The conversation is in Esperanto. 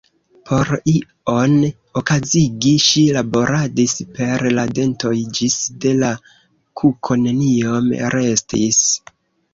Por ion okazigi, ŝi laboradis per la dentoj ĝis de la kuko neniom restis.